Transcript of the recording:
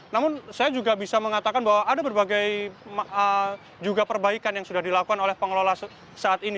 namun saya juga bisa mengatakan bahwa ada berbagai juga perbaikan yang sudah dilakukan oleh pengelola saat ini